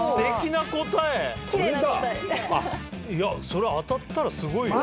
それ当たったらすごいよ。